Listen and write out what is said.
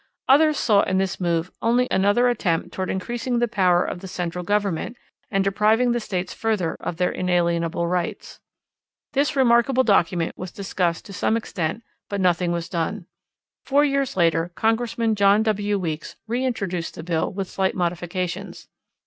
Others saw in this move only another attempt toward increasing the power of the central government, and depriving the states further of their inalienable rights. This remarkable document was discussed to some extent but nothing was done. Four years later Congressman John W. Weeks reintroduced the bill with slight modifications.